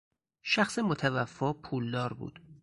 شخص متوفی پولدار بود.